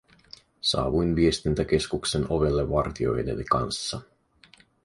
Saavuin viestintäkeskuksen ovelle vartijoideni kanssa.